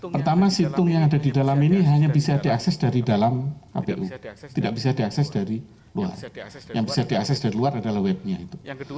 pertama situng yang ada di dalam ini hanya bisa diakses dari dalam kpu tidak bisa diakses dari luar yang bisa diakses dari luar adalah webnya itu